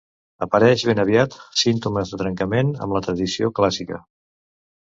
Apareix ben aviat símptomes de trencament amb la tradició clàssica.